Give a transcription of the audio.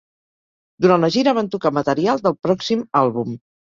Durant la gira van tocar material del pròxim àlbum.